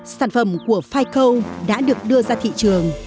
sản phẩm của fico đã được đưa ra thị trường